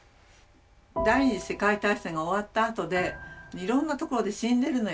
第二次世界大戦が終わったあとでいろんなところで死んでるのよね。